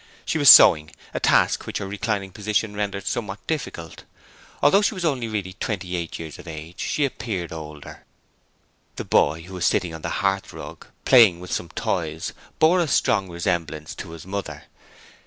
She was sewing, a task which her reclining position rendered somewhat difficult. Although she was really only twenty eight years of age, she appeared older. The boy, who was sitting on the hearthrug playing with some toys, bore a strong resemblance to his mother.